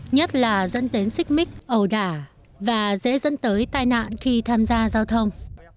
nhất là dẫn đến xích mít ẩu đả và dễ dẫn tới tai nạn khi tham gia giao thông